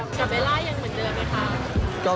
กับเวลายังเหมือนเดิมหรือครับ